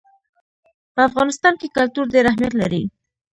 په افغانستان کې کلتور ډېر اهمیت لري.